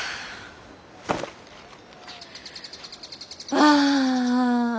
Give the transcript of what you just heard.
ああ。